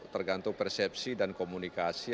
tergantung persepsi dan komunikasi